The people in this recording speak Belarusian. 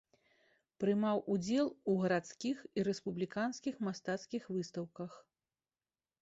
Прымаў удзел у гарадскіх і рэспубліканскіх мастацкіх выстаўках.